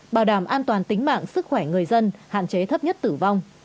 bảo đảm an toàn tính mạng sức khỏe người dân hạn chế thấp nhất tử vong